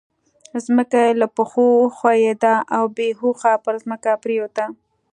ځمکه يې له پښو وښوېده او بې هوښه پر ځمکه پرېوته.